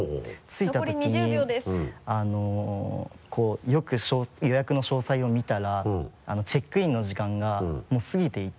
着いたときによく予約の詳細を見たらチェックインの時間がもう過ぎていて。